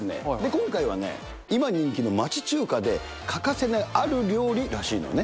今回はね、今人気の町中華で欠かせないある料理らしいのよね。